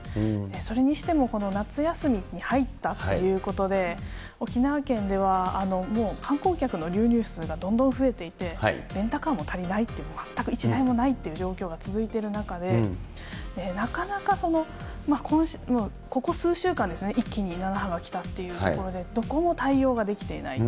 それにしてもこの夏休みに入ったっていうことで、沖縄県ではもう観光客の流入数がどんどん増えていて、レンタカーも足りないって、全く一台もないという状況が続いている中で、なかなか、ここ数週間ですね、一気に７波が来たっていうところで、どこも対応ができていない。